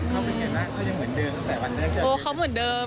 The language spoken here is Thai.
เขาเป็นกันมากเขาเหมือนเดิม